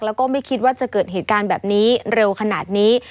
แล้วก็ไม่คิดว่าจะเกิดเหตุการณ์แบบนี้เร็วขนาดนี้